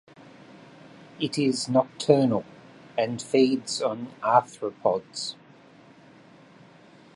It is nocturnal, and feeds on arthropods.